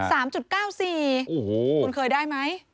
เท่าไหร่ค่ะ๓๙๔คุณเคยได้ไหม